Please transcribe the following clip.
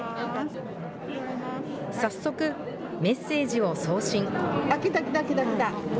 早速、メッセージを送信。